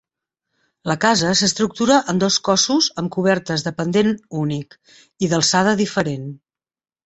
La casa s'estructura en dos cossos amb cobertes de pendent únic, i d'alçada diferent.